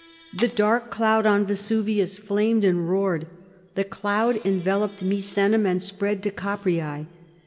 The dark cloud on Vesuvius flamed and roared. The cloud enveloped Misenum and spread to Capreæ.